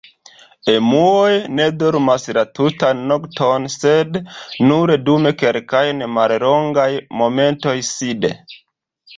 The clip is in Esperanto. Emuoj ne dormas la tutan nokton sed nur dum kelkaj mallongaj momentoj side.